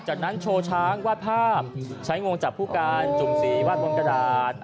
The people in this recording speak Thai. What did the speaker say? จากนั้นโชว์ช้างวาดภาพใช้งงจับผู้การจุ่มสีวาดบนกระดาษ